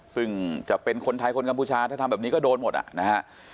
ซึ่งจะเป็นคนไทยคนกัมพูชาถ้าทำแบบนี้ก็โดนหมดอ่ะนะฮะ